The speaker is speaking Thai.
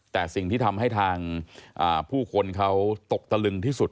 แต่สิ่งที่ทำให้ทางผู้คนเขาตกตะลึงที่สุด